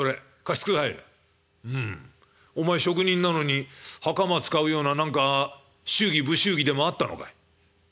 「うん。お前職人なのに袴使うような何か祝儀不祝儀でもあったのかい？」。